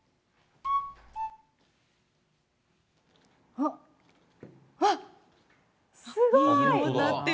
おっ、わっ、すごい。